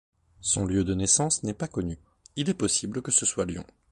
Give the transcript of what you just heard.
Son lieu de naissance n'est pas connu, il est possible que ce soit Lyon.